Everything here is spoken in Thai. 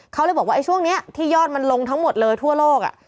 เขาเลยบอกว่าช่วงนี้ที่ยอดมันลงทั้งหมดเลยทั่วโลก